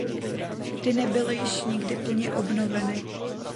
Ty nebyly již nikdy plně obnoveny.